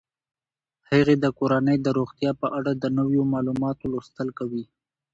هغې د کورنۍ د روغتیا په اړه د نویو معلوماتو لوستل کوي.